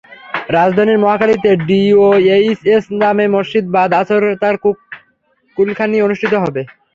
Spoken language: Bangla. রাজধানীর মহাখালীতে ডিওএইচএস জামে মসজিদে বাদ আসর তাঁর কুলখানি অনুষ্ঠিত হবে।